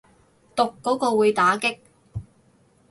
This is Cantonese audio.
讀嗰個會打棘